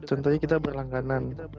contohnya kita berlangganan